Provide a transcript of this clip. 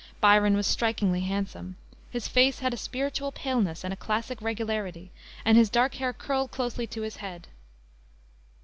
Byron was strikingly handsome. His face had a spiritual paleness and a classic regularity, and his dark hair curled closely to his head.